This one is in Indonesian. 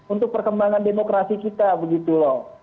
untuk perkembangan demokrasi kita begitu loh